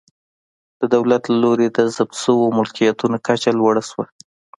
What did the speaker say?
د دولت له لوري د ضبط شویو ملکیتونو کچه لوړه شوه.